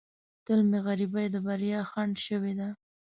تل مې غریبۍ د بریا خنډ شوې ده.